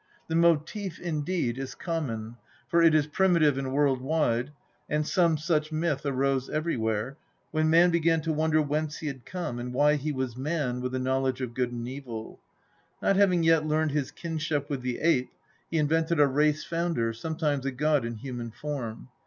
The motive, indeed, is common, for it is primitive and world wide ; and some such myth arose everywhere (see introd. to Hdl.) when man began to wonder whence he had come, and why he was man with a knowledge of good and evil. Not having yet learned his kinship with the ape, he invented a race founder, some times a god in human form.